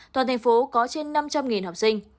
toàn thành phố có trên năm trăm linh học sinh